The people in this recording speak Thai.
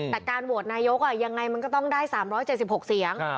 แต่การโหวตนายกยังไงมันก็ต้องได้๓๗๖เสียง